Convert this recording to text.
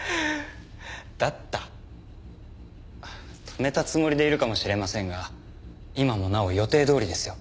止めたつもりでいるかもしれませんが今もなお予定どおりですよ。